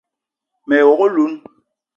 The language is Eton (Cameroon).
Me ye wok oloun